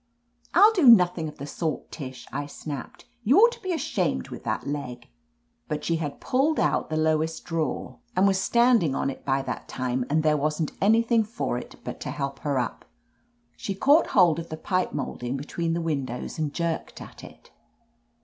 "I'll do nothing of the sort, Tish," I snapped. "You ought to be ashamed with that leg." But she had pulled out the lowest drawer 46 OF LETITIA CARBERRY and was standing on it by that time, and there wasn't anything for it but to help her up. She caught hold of the pipe molding between the windows, and jerked at it.